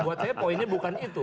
buat saya poinnya bukan itu